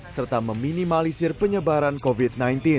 serta meminimalisir penyebaran covid sembilan belas